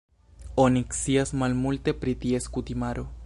Oni scias malmulte pri ties kutimaro.